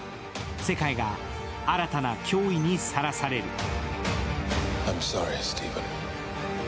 世界が新たな脅威にさらされる。